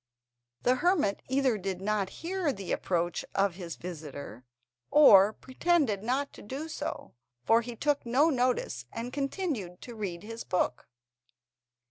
The hermit either did not hear the approach of his visitor, or pretended not to do so, for he took no notice, and continued to read his book.